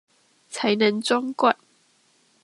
才能裝罐